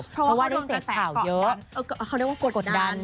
เพราะว่าได้เสียข่าวเยอะเขาเรียกว่ากลัวกดดัน